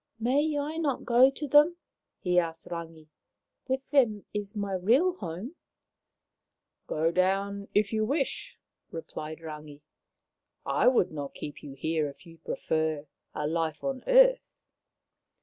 " May I not go to them ?" he asked Rangi. " With them is my real home/' " Go down if you wish," replied Rangi. " I would not keep you here if you prefer a life on earth.